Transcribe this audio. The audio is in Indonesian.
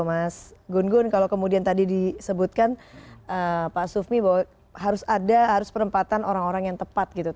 mas gun gun kalau kemudian tadi disebutkan pak sufmi bahwa harus ada harus penempatan orang orang yang tepat gitu